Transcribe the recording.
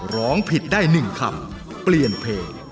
ร้องผิดได้๑คำเปลี่ยนเพลง